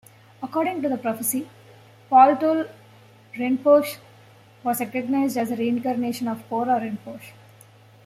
According to the prophecy, Paltul Rinpoche was recognized as the reincarnation of Pora Rinpoche.